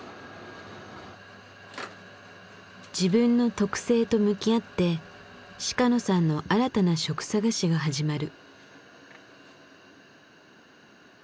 自分の特性と向き合って鹿野さんの新たな職探しが始まる。